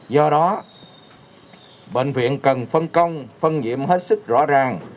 do đó bệnh viện cần phân công phân nhiệm hết sức rõ ràng